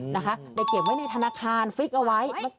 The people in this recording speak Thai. นะคะแต่เก็บไว้ในทานาคารมีเอาไว้